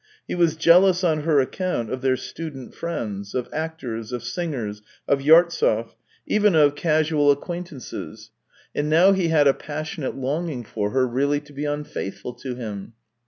... He was jealous on her account of their student friends, of actors, of singers, of Yartsev, even of casual 26o THE TALES OF TCHEHOV acquaintances; and now he had a passionate longing for her really to be unfaithful to him.